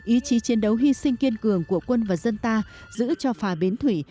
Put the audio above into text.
ý chí chiến đấu hy sinh kiên cường của quân và dân ta giữ cho phà bến thủy